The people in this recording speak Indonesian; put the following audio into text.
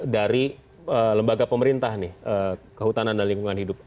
dari lembaga pemerintah nih kehutanan dan lingkungan hidup